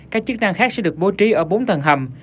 các chức năng khác sẽ được bố trí ở bốn tầng hầm